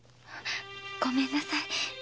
ごめんなさい。